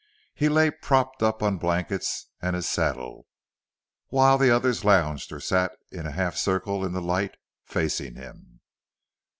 He lay propped up on blankets and his saddle, while the others lounged or sat in a half circle in the light, facing him.